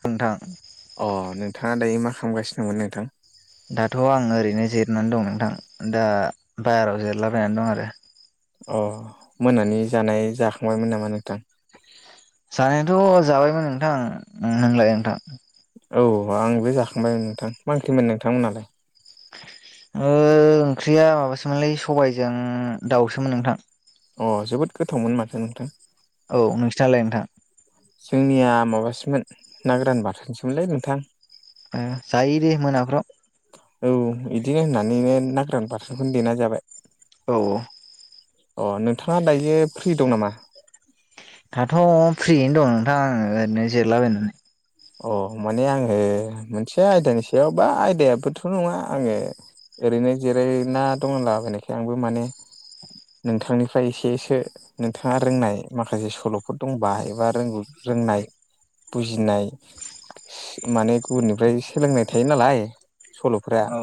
नोंथां अ नोंथाङा दायो मा खालामगासिनो दंमोन नोंथां? दाथ' आं ओरैनो जिरनानै दं नोंथां दा बायेराव जिरलाबायनानै दं आरो। अ मोनानि जानाय जाखांबायमोन नामा नोंथां? जानायाथ' जाबायमोन नोंथां नोंलाय नोंथां? औ आंबो जाखांबायमोन नोंथां मा ओंख्रिमोन नोंथांमोनालाय? ओंख्रिया माबासोमोनलै सबायजों दाउसोमोन नोंथां। अ जोबोद गोथावमोन माथो नोंथां। औ नोंसनालाय नोंथां? जोंनिया माबासोमोन ना गोरान बाथोनसोमोनलै नोंथां। जायो दे मोनाफ्राव। औ बिदिनो होननानैनो नााग्रान पारसेनखौनो देना जाबाय। औ औ अ नोंथाङा दायो फ्रि दं नामा? दाथ' फ्रियैनो दं नोंथां आं ओरैनो जिरलाबायनानै। अ माने आङो मोनसे आयदानि सायाव बा आयदायाबोथ' नङा आङो ओरैनो जिरायना दंलाबायनायखाय आंबो माने नोंथांनिफ्राय एसेसो नोंथाङा रोंनाय माखासे सल'फोर दं बाहायबा रोंगौ रोंनाय बुजिनाय माने गुबुननिफ्राय सोलोंनाय थायो नालाय सल'फोरा औ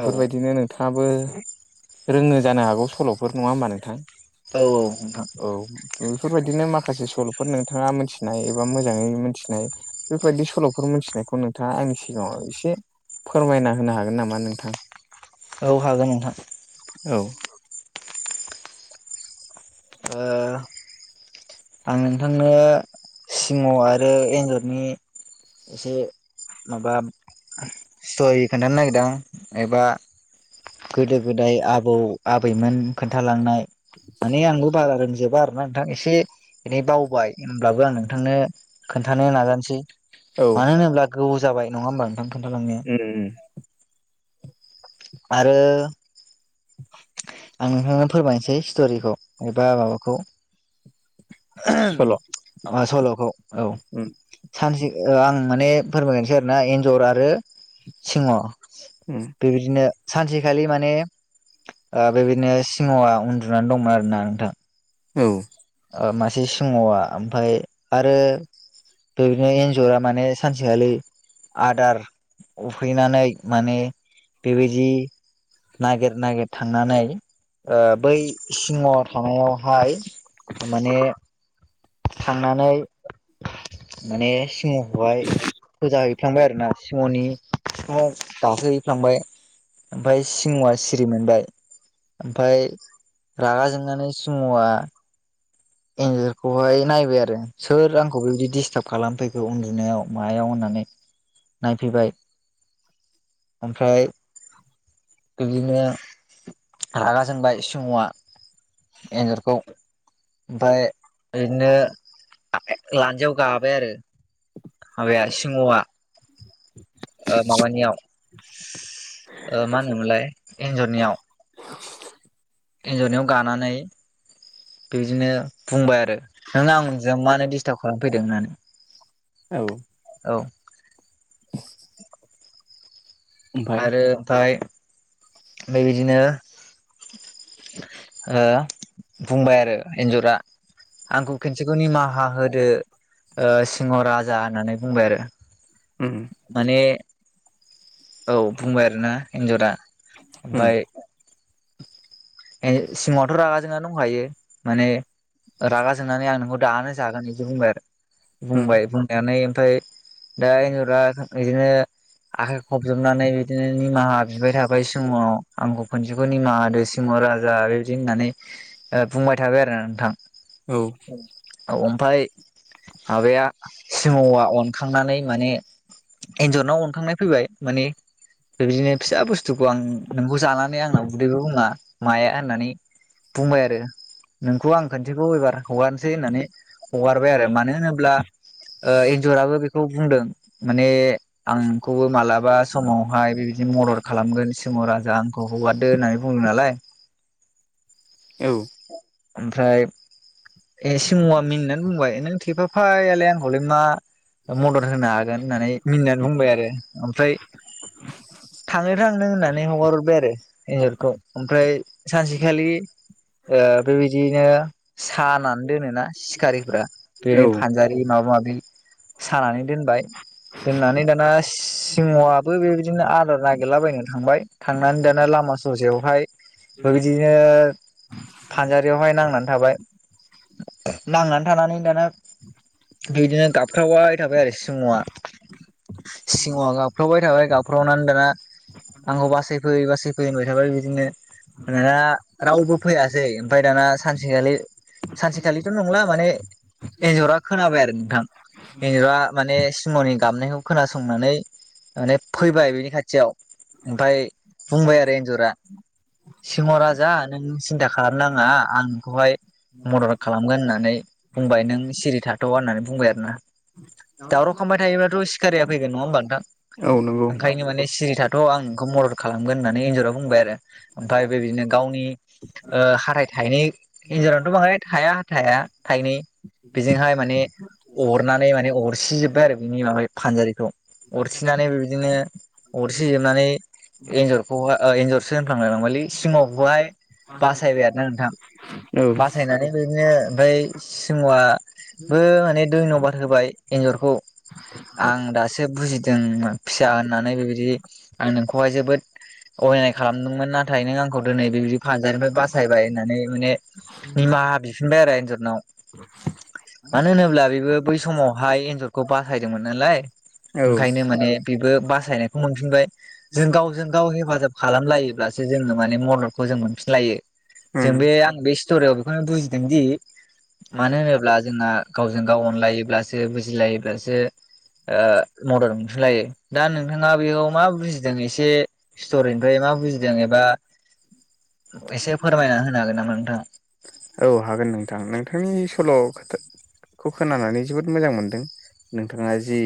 औ नों नोंथाङाबो रोंनो जानो हागौ सल'फोर नङा होमबा नोंथां? औ नोंथां औ बेफोरबायदिनो माखासे सल'फोर नोंथाङा मिथिनाय एबा मोजाङै मोनथिनाय बेफोरबायदि सल'फोर मोनथिनायखौ नोंथाङा आंनि सिगाङाव एसे फोरमायना होनो हागोन नामा नोंथां? औ हागोन नोंथां औ ओ आं नोंथांनो सिमाव आरो एन्जरनि एसे माबा सय खोन्थानो नागिरदों एबा गोदो गोदाय आबौ आबैमोन खोन्थालांनाय माने आंबो बागा होनजोबा आरोना नोंथां एसे दिनै बावबाय होनब्लाबो आं नोंथांनो खोन्थानो नाजानोसै औ मानो होनोब्ला गोौ जाब नङा ओमबा नोंथां खोन्था लांनाया? उम आरो आं नोंथांनो फोरमायनोसै स्ट'रिखौ एबा माबाखौ उम सल' अ सल'खौ औ उम सानसे आं माने फोरमायगोनसै आर ना एन्जर आरो सिङाव उम बेबायदिनो सानसेखालि माने बेबायदिनो सिङावआ उन्दुनानै दंमोन आरो ना नोंथां। औ मासे सिङावा ओमफाय आरो बेबायदिनो एन्जरा माने सानसेखालि आदार उफैनानै माने बेबायदि नागिर नागिर थांनानै बै सिंह थानायावहाय माने थांनानै माने सिंहखौहाय फोजा हैफ्लांबाय आरोना सिंहनि बिखुङाव गाखो हैफ्लांबाय ओमफ्राय सिंहआ सिरि मोनबाय ओमफ्राय रागा जोंनानै सिंहआ एन्जरखौहाय नायबाय आरो सोर आंखौ बेबायदि दिस्टार्ब खालामफैखो उन्दुनायाव मायाव होननानै नायफैबाय ओमफ्राय बिदिनो रागा जोंबाय सिंहआ एन्जरखौ ओमफ्राय बिदिनो ला लान्जायाव गाबाय आरो माबाया सिंहआ ओ माबानियाव मा होनोमोनलाय एन्जरनियाव एन्जरनियाव गानानै बिदिनो बुंबाय आरो नों आंजों मानो दिस्टार्ब खालामफैदों होननानै औ औ [inaudible] आरो ओमफाय ओमफाय बेबायदिनो ओ बुंबाय आरो एन्जरा आंखौ खनसेखौ निमाहा होदो ओ [unintelligible] सिंह राजा होननानै बुंबाय आरो ओम माने औ बुंबाय आरो ना एन्जरा उम ओमफाय सिंहआथ रागा जोंङा दंखायो माने रागा जोंनानै आं नोंखौ दानो जागोन बिदि बुंबाय आरो उम बुंबाय बुंनानै ओमफाय दा एनजरा बिदिनो आखाय खबजबनानै बिदिनो निमाहा बिबाय थाबाय सिंहनाव आंखौ खनसेखौ निमाहा दो सिं राजा बेदि होननानै बुंबाय थाबाय आरोना नोंथां औ औ ओमफाय माबाया सिंहआ अनखांनानै माने एन्जरनाव अनखांनाय फैबाय माने बे बिदिनो फिसा बुस्थुखौ आं नोंखौ जानानै आंनाव उदैबो बुङा माया होननानै बुंबाय आरो नोंखौ आं खोनसेखौ एबार हगारसै होननानै हगारबाय आरो मानो होनोब्ला एनजराबो बेखौ बुंदों माने आं नोंखौबो मालाबा माबा समावहाय बेबायदि मदद खालामगोन सिंह राजा आंखौ हगारदो होननानै बुंदों नालाय औ ओमफ्राय ए सिंहआ मिनिनानै बुंबाय नों थेफाफायालाय आंखौलाय मा मदद होनो हागोन होननानै मिनिनानै बुंबाय आरो ओमफ्राय थांदो थां होननानै हगार हरबाय आरो एन्जरखौ ओमफ्राय सानसेखालि ओ बेबायदिनो सानानै दोनोना सिखारिफ्रा बेनो औ फानजारि माबा माबि सानानै दोनबाय दोननानै दाना सिंहआबो बेबायदिनो आदार नागिरलाबायनो थांबाय थांनानै दाना लामा ससेयावहाय बेबायदिनो फानजारियावहाय नांनानै थाबाय नांनानै थानानै दाना बिदिनो गाबख्रावबाय थाबाय आरो सिंहआ सिंहआ गाबख्रावबाय थाबाय गाबख्रावनानै दाना आंखौ बासायफै बासायफै होनबाय थाबाय बिदिनो मानोना रावबो फैयासै ओमफ्राय दाना सानसेखालि सानसेखालिथ' नंला माने एनजरा खोनाबाय आरो नोंथां एनजरा माने सिंहनि गाबनायखौ खोनासंनानै माने फैबाय बिनि खाथियाव ओमफ्राय बुंबाय आरो एनजरा सिंह राजा नों सिनथा खालाम नाङा आं नोंखौहाय मदद खालामगोन होननानै बुंबाय नों सिरि थाथ' होननानै बुंबाय आरोना दावराव खामबाय थायोब्लाथ' सिखारिया फैगोन नङा होमबा नोंथां औ नंगौ ओंखायनो माने सिरि थाथ थ' आं बेखौ मदद खालामगोन होननानै एनजरा बुंबाय आरो ओमफ्राय बेबायदिनो गावनि ओ हाथाय थायनै एनजरावथ' बाहाय थाया हाथाया थायनै बेजोंहाय माने अरनानै माने अरसिजोब्बाय आरो बिनि माबाय फानजारिखौ अरसिनानै बेबायदिनो अरसि जोबनानै एनजरखौहाय एनजरसो होनफ्लांलायलांबायलै सिंहखौहाय बासायबाय आरोना नोंथां औ बासायनानै बिदिनो ओमफ्राय सिंहआ बो माने दैनबाद होबाय एनजरखौ आं दासो बुजिदों फिसा होननानै बेबायदि आं नोंखौहाय जोबोद अयनाय खालामदोंमोन नाथाय नों आंखौ दिनै बे फानजारिनिफ्राय बासायबाय होननानै माने निमाहा बिफिनबाय आरो एनजरनाव मानो होनोब्ला बेबो बै समावहाय एनजरखौ बासायदोंमोन नालाय औ ओंखायनो माने बेबो बासायनायखौ मोनफिनबाय जों गावजों गाव हेफाजाब खालामलायोब्लासो जोङो माने मददखौ जों मोनफिनलायो जों उम बे आं बे स्ट'रियाव बेखौनो बुजिदों दि मानो होनोब्ला जोंना गावजों गाव अनलायोब्लासो बुजिलायोब्लासो ओ मदद होलायो दा नोंथाङा बेयाव मा बुजिदों एसे स्टरिनिफ्राय मा बुजिदों एबा एसे फोरमायना होनो हागोन नामा नोंथाङा औ हागोन नोंथां नोंथांनि सल' खोथा खौ खोनानानै जोबोद मोजां मोनदों नोंथाङा जि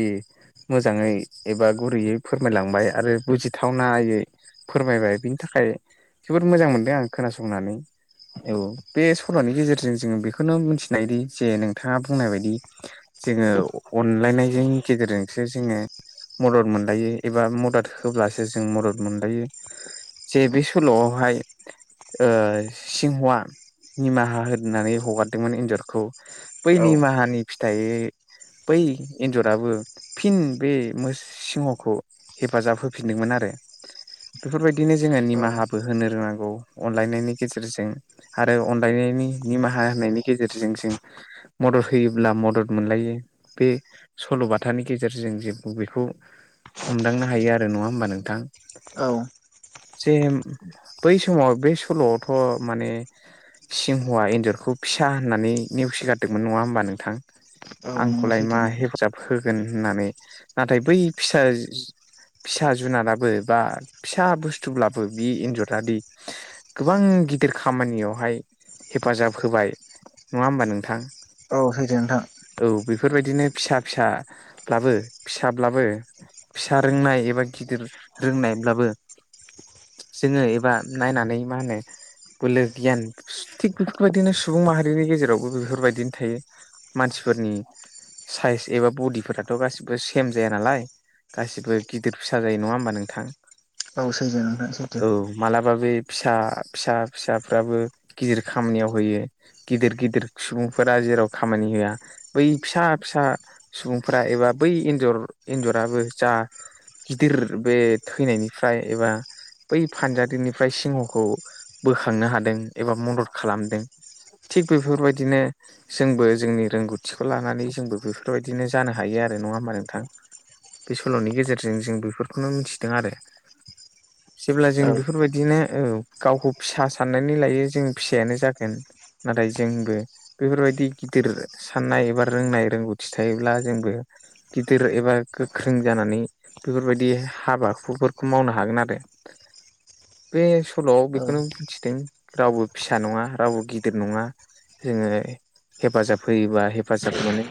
मोजाङै एबा गुरैयै फोरमायलांबाय आरो बुजिथावनायै फोरमायबाय बिनि थाखाय जोबोद मोजां मोनदों आं खोनासंनानै औ बे सल'नि गेजेरजों जोङो बेखौनो मिथिनायदि जे नोंथाङा बुंनाय बायदि जोङो अनलायनायजों गेजेरजोंसो जोङो मदद मोनलायो एबा मदद होब्लासो जों मदद मोनलायो जे बे सल'आवहाय ओ सिंहआ निमाहा होनानै हगारदोंमोन एनजरखौ बै औ निमाहानि फिथाइै बै एनजराबो फिन बे सिंहखौ हेफाजाब होफिनदोंमोन आरो बेफोरबायदिनो जोङो औ निमाहाबो होनो रोंनांगौ अनलायनायनि गेजेरजों आरो अनलायनायनि निमाहा होनायनि गेजेरजों जों मदद होयोब्ला मदद मोनलायो बे सल'बाथानि गेजेरजों जेबो बेखौ हमदांनो हायो आरो नङा होमबा नोंथां औ जे बै समाव बे सल'आवथ' माने सिंहवा एनजरखौ फिसा होननानै नेवसिगारदोंमोन नङा होमबा नोंथां औ नंगौ आंखौलाय सैथो मा नोंथां हेफाजाब होगोन होननानै नाथाय बै फिसा फिसा जुनाराबो बा फिसा बुसथुब्लाबो बि एनजरादि गोबां गिदिर खामानियावहाय हेफाजाब होबाय नङा होमबा नोंथां औ होदों नोंथां औ बेफोरबायदिनो फिसा फिसाब्लाबो फिसाब्लाबो फिसा रोंनाय एबा गिदिर रोंनायब्लाबो जोङो एबा नायनानै मा होनो बोलो गियान थिग बेफोरबायदिनो सुबुं माहारिनि गेजेरावबो बेफोरबायदिनो थायो मानसिफोरनि साइस एबा बडिफोराथ' गासिबो सेम जाया नालाय गासिबो गिदिर फिसा जायो नङा होमबा नोंथां औ सैथो नोंथां सैथो मालाबाबो फिसा फिसा फिसाफ्राबो गिदिर खामानियाव होयो गिदिर गिदिर सुबुंफोरा जेराव खामानि होआ बै फिसा फिसा सुबुंफ्रा एबा बै एन्जर एन्जराबो जा गिदिर बे थैनायनिफ्राय एबा बै फानजारिनिफ्राय सिंहखौ बोखांनो हादों एबा मदद खालामदों थिग बेफोरबायदिनो जोंबो जोंनि रोंगौथिखौ लानानै जोंबो बेफोरबायदिनो जानो हायो आरो नङा होमबा नोंथां बे सल'नि गेजेरजों जों बेफोरखौनो मिथिदों आरो जेब्ला जों औ बेफोरबायदिनो गावखौ फिसा साननानै लायो जों फिसायानो जागोन नाथाय जोंबो बेफोरबायदि गिदिर साननाय एबा रोंनाय रोंगौथि थायोब्ला जोंबो गिदिर एबा गोख्रों जानानै बेफोरबायदि हाबाफोरखौ मावनो हागोन आरो बे सल'आव बे औ बेखौनो बुंथिदों रावबो फिसा नङा रावबो गिदिर नङा जोङो हेफाजाब होयोबा हेफाजाब मोनो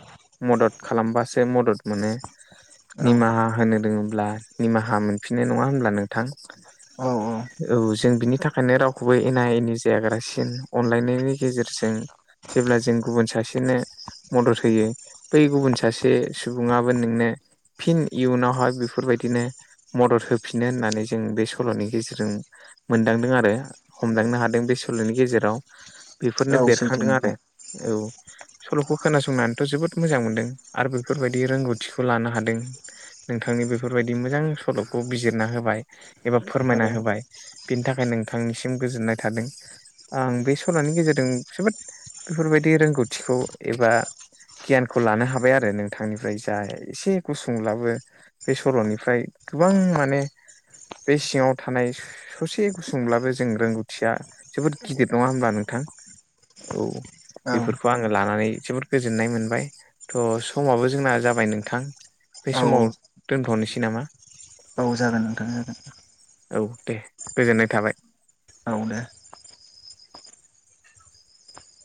मदद खालामबासो मदद मोनो औ निमाहा होनो रोङब्ला निमाहा मोनफिननाय नङा होनोमब्ला नोंथां औ जों बिनि थाखाय ओंखायनो रावखौबो एना एनि जाग्रासिन अनलायनायनि गेजेरजों जेब्ला जों गुबुन सासेनो मदद होयो बै गुबुन सासे सुबुङाबो नोंनो फिन इयुनावहाय बेफोरबायदिनो मदद होफिनो होननानै जों बे सल'नि गेजेरजों मोनदांदों आरो बो हमदांनो हादों बे सल'नि गेजेराव बेफोरनो औ सैथो बेरखांदों आरो नोंथां औ सल'खौ खोनासंनानैथ' जोबोद मोजां मोनदों आरो बेफोरबायदि रोंगौथिखौ लानो हादों नोंथांनि बेफोरबायदि मोजां सल'खौ बिजिरना होबाय एबा औ फोरमायना होबाय बिनि थाखाय नोंथांनिसिम गोजोननाय थादों आं बे सल'नि गेजेरजों जोबोद बेफोरबायदि रोंगौथिखौ एबा गियानखौ लानो हाबाय आरो नोंथांनिफ्राय जा एसे गुसुंब्लाबो बे सल'निफ्राय गोबां माने बे सिङाव थानाय ससे गुसुं ब्लाबो जों रोंगौथिया जोबोद गिदिर नङा होनोमब्ला नोंथां औ औ बेफोरखौ आङो लानानै जोबोद गोजोननाय मोनबाय थह समाबो जोंना जाबाय नोंथां बे औ समाव दोनथ'नोसै नामा औ जागोन नोंथां जागोन औ दे गोजोननाय थाबाय जागोन औ दे